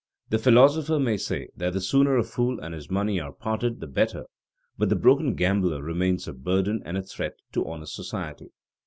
The philosopher may say that the sooner a fool and his money are parted the better; but the broken gambler remains a burden and a threat to honest society.